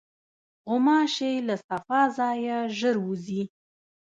غوماشې له صفا ځایه ژر وځي.